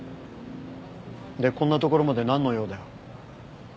でこんなところまでなんの用だよ？